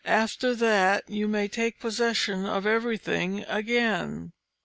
After that you may take possession of everything again."